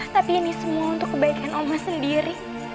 tapi ini semua untuk kebaikan oma sendiri